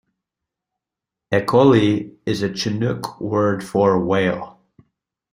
"Ehkoli" is a Chinook word for "whale".